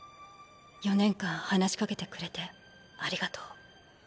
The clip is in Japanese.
４年間話しかけてくれてありがとう。